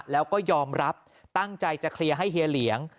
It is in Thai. แล้วก็ยอมรับตั้งใจจะเคลียร์ให้เฮียเหลียง